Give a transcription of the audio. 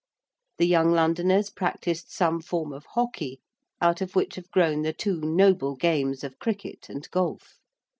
The young Londoners practised some form of hockey out of which have grown the two noble games of cricket and golf.